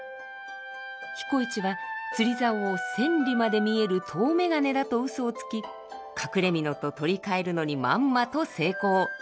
彦市は釣り竿を千里まで見える遠眼鏡だとうそをつき隠れ蓑と取り換えるのにまんまと成功。